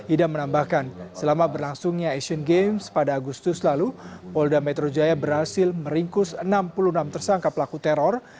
idam menambahkan selama berlangsungnya asian games pada agustus lalu polda metro jaya berhasil meringkus enam puluh enam tersangka pelaku teror